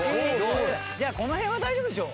じゃあこの辺は大丈夫でしょ。